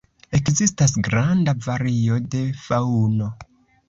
Ekzistas granda vario de faŭno.